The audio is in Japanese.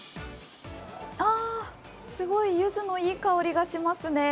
あ、すごいゆずのいい香りがしますね。